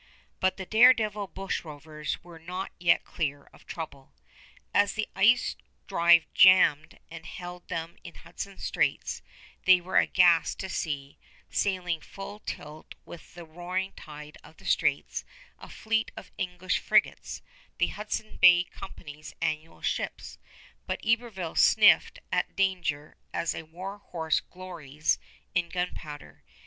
But the dare devil bushrovers were not yet clear of trouble. As the ice drive jammed and held them in Hudson Straits, they were aghast to see, sailing full tilt with the roaring tide of the straits, a fleet of English frigates, the Hudson's Bay Company's annual ships; but Iberville sniffed at danger as a war horse glories in gunpowder.